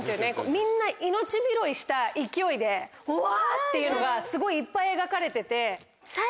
みんな命拾いした勢いでうわ！っていうのがすごいいっぱい描かれてて。